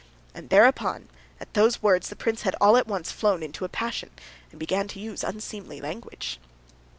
And thereupon, at those words, the prince had all at once flown into a passion, and began to use unseemly language.